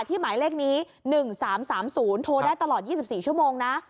หมายเลขนี้๑๓๓๐โทรได้ตลอด๒๔ชั่วโมงนะ